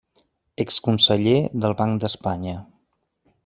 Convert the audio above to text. Exconseller del Banc d'Espanya.